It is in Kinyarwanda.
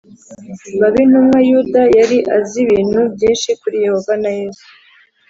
babe intumwa Yuda yari azi ibintu byinshi kuri Yehova na Yesu